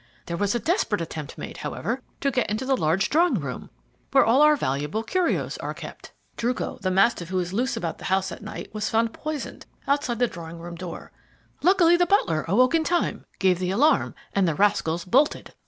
There was a desperate attempt made, however, to get into the large drawing room, where all our valuable curios are kept. Druco, the mastiff, who is loose about the house at night, was found poisoned outside the drawing room door. Luckily the butler awoke in time, gave the alarm, and the rascals bolted.